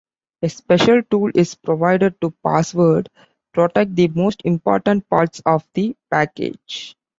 A special tool is provided to password-protect the most important parts of the package.